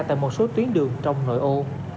tại một số tuyến đường trong nội ô